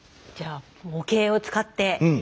じゃあ模型を使って。